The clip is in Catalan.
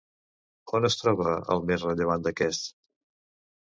On es troba el més rellevant d'aquests?